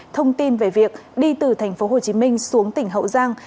thông tin về việc đi từ thành phố hồ chí minh xuống tỉnh hậu giang